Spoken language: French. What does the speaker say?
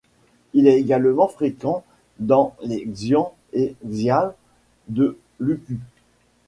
Il est également fréquent dans les xian de Xiahe et Luqu.